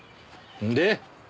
で？